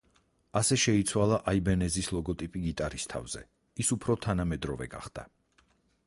ასევე შეიცვალა აიბენეზის ლოგოტიპი გიტარის თავზე, ის უფრო თანამედროვე გახდა.